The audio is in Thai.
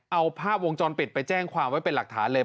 เอาภาพวงจรปิดไปแจ้งความไว้เป็นหลักฐานเลย